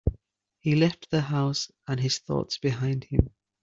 He left the house and his thoughts behind him.